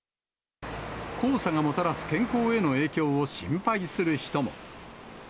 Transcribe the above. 黄砂がもたらす健康への影響を心配する人も。